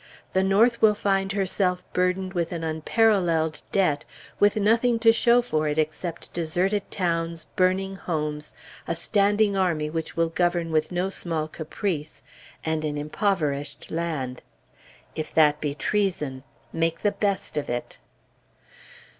The North will find herself burdened with an unparalleled debt, with nothing to show for it except deserted towns, burning homes, a standing army which will govern with no small caprice, and an impoverished land. If that be treason, make the best of it!